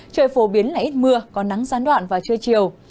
trời phổ biến là ít mưa có nắng gián đoạn vào trưa chiều